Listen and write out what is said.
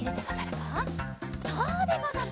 そうでござる！